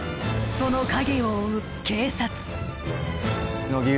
その影を追う警察乃木憂